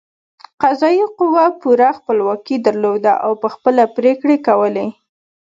قضايي قوه پوره خپلواکي درلوده او په خپله پرېکړې کولې.